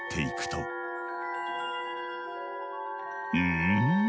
うん？